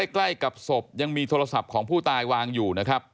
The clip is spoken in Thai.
ใกล้กับศพยังมีโทรศัพท์ของผู้ตายวางอยู่นะครับ